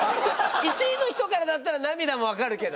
１位の人からだったら涙もわかるけど。